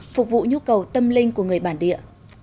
phục vụ nhu cầu tâm linh của người bản địa